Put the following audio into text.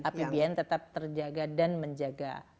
apbn tetap terjaga dan menjaga